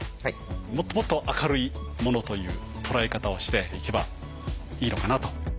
もっともっと明るいものという捉え方をしていけばいいのかなと。